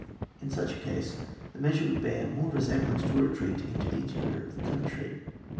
In such a case the measure would bear more resemblance to a retreat into the interior of the country.